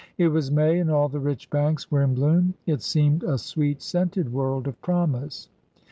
It was May, and all the rich banks were in bloom. It seemed a sweet scented world of promise.